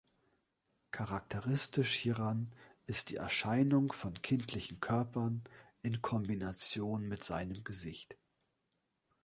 Charakteristisch hieran ist die Erscheinung von kindlichen Körpern in Kombination mit seinem Gesicht.